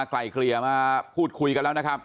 ไกลเกลี่ยมาพูดคุยกันแล้วนะครับ